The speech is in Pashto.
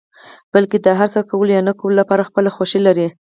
بلکې د هر څه کولو يا نه کولو لپاره خپله خوښه لري.